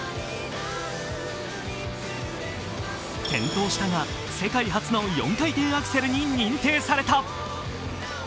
転倒したが、世界初の４回転アクセルに認定された。